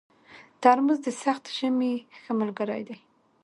ترموز د سخت ژمي ښه ملګری دی.